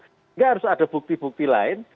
sehingga harus ada bukti bukti lain